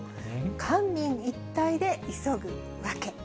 官民一体で急ぐ訳。